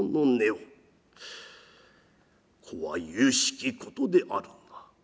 「こはゆゆしきことであるな。